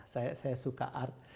saya suka art